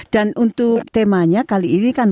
dan untuk temanya kali ini kan